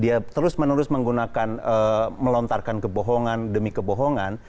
dia terus menerus menggunakan melontarkan kebohongan demi kebohongan